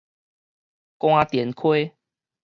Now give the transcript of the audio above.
官田溪